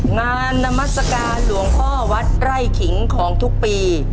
นามัศกาลหลวงพ่อวัดไร่ขิงของทุกปี